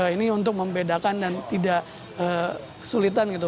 ini untuk membedakan dan tidak kesulitan gitu